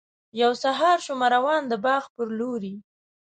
یو سهار شومه روان د باغ پر لوري.